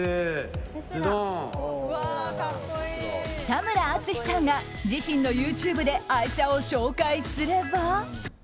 田村淳さんが自身のＹｏｕＴｕｂｅで愛車を紹介すれば。